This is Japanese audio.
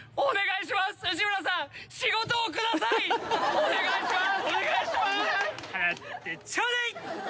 お願いします！